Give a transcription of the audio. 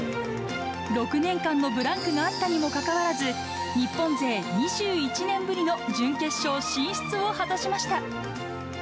６年間のブランクがあったにもかかわらず、日本勢２１年ぶりの準決勝進出を果たしました。